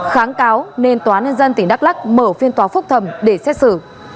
kháng cáo nên tòa án dân tỉnh đắk lắc mở phiên tòa phúc thầm để xét xử